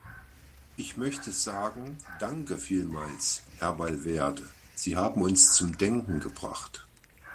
Ich möchte sagen, danke vielmals, Herr Valverde, Sie haben uns zum Denken gebracht.